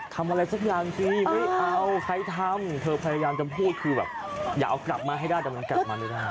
ทำอะไรสักอย่างสิไม่เอาใครทำเธอพยายามจะพูดคือแบบอย่าเอากลับมาให้ได้แต่มันกลับมาไม่ได้